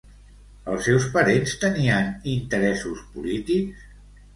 Els seus parents tenien interessos polítics?